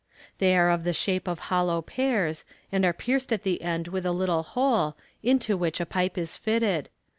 They are of the shape of hollow pears, and are pierced at the end with a little hole, into which a pipe is fitted.